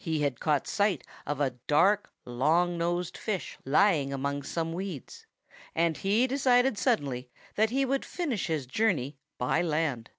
He had caught sight of a dark, long nosed fish lying among some weeds. And he decided suddenly that he would finish his journey by land.